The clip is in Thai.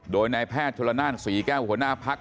โดยในแพทย์ธุระนานสี่แก้วหัวหน้าพรรค